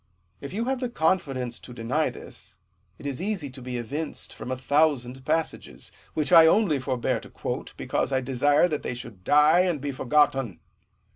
If you have the confidence to deny this, it is easy to be evinced from a thousand passages, which I only forbear to quote, because I de sire they should die and be forgotten.